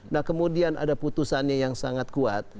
nah kemudian ada putusannya yang sangat kuat